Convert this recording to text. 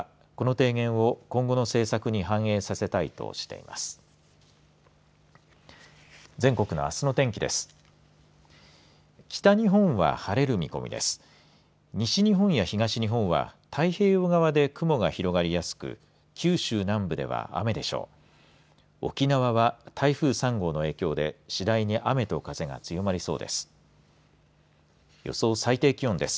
水産庁は、この提言を今後の政策に反映させたいとしています。